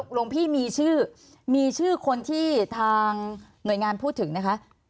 หลวงพี่มีชื่อมีชื่อคนที่ทางหน่วยงานพูดถึงไหมคะ